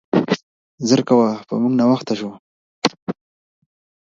زر کوه, په مونګ ناوخته شو.